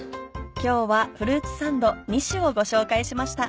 今日はフルーツサンド２種をご紹介しました。